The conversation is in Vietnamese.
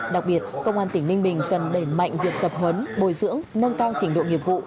đặc biệt công an tỉnh ninh bình cần đẩy mạnh việc tập huấn bồi dưỡng nâng cao trình độ nghiệp vụ